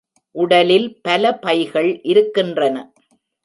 உடலில் பல பைகள் இருக்கின்றன.